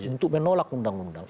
untuk menolak undang undang